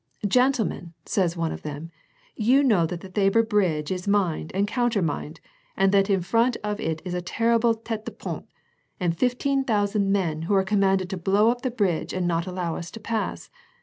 * Gentlemen,' says one of them, 'you know that the Thabor bridge is mined and countermined and that in front of it is a terrible tete de pont and fifteen thousand men, who are commanded to blow up the bridge and not allow us to pass.